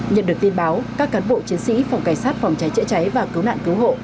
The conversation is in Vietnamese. nhận được tin báo các cán bộ chiến sĩ phòng cảnh sát phòng cháy chữa cháy và cứu nạn cứu hộ